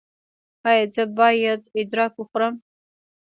ایا زه باید ادرک وخورم؟